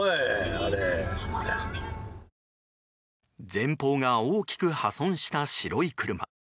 前方が大きく破損した白い車。